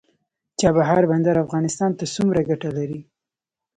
چابهار بندر افغانستان ته څومره ګټه لري؟